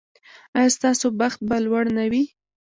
ایا ستاسو بخت به لوړ نه وي؟